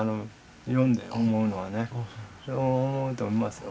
読んで思うのはね。と思いますよ。